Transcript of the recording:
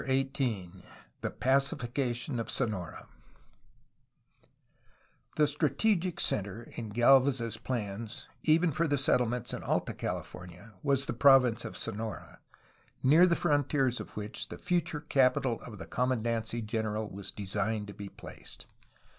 ' In addition to the standard au CHAPTER XVIII THE PACIFICATION OF SONORA The strategic centre in Gdlvez's plans, even for the settle ments in Alta California, was the province of Sonora, near the frontiers of which the future capital of the com mandancy general was designed to be placed.